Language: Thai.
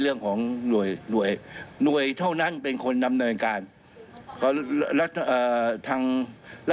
เรื่องของหน่วยหน่วยเท่านั้นเป็นคนดำเนินการ